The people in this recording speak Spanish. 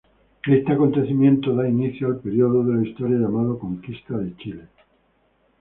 Este acontecimiento da inicio al periodo de la historia llamado Conquista de Chile.